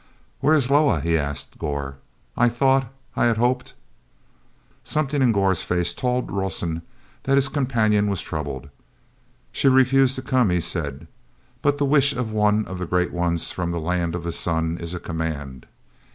"Where is Loah?" he asked of Gor. "I thought—I had hoped...." Something in Gor's face told Rawson that his companion was troubled. "She refused to come," he said. "But the wish of one of the great ones from the Land of the Sun is a command."